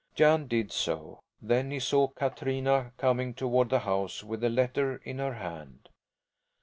Jan did so. Then he saw Katrina coming toward the house with a letter in her hand.